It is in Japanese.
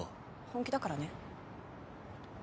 本気だからね。